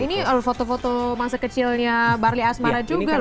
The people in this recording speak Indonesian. ini foto foto masa kecilnya barli asmara juga loh